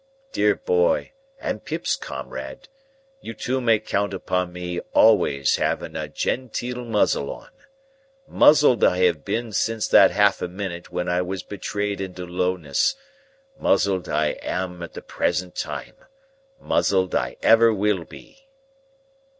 Dear boy, and Pip's comrade, you two may count upon me always having a genteel muzzle on. Muzzled I have been since that half a minute when I was betrayed into lowness, muzzled I am at the present time, muzzled I ever will be."